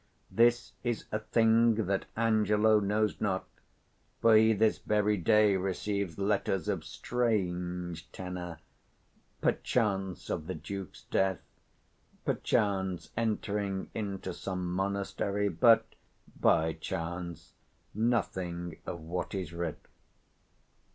This is a thing that Angelo knows not; for he this very day receives letters of strange tenour; perchance of the Duke's death; perchance entering into some monastery; but, by 190 chance, nothing of what is writ.